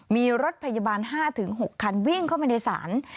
มีรถพยาบาล๕๖คันวิ่งเข้ามาในศาล